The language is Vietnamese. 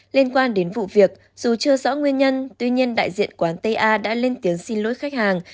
liên quan đến vụ việc dù chưa rõ nguyên nhân tuy nhiên đại diện quán ta đã lên tiếng xin lỗi khách hàng